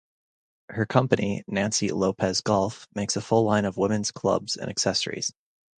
Her company, Nancy Lopez Golf, makes a full line of women's clubs and accessories.